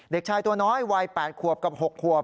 เด็กชายตัวน้อยวัย๘ขวบกับ๖ขวบ